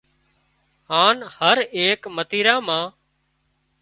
هانَ هر ايڪ متريرا مان